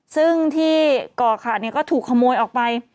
ซึ่งที่ก่อขาดก็ถูกขโมยออกไป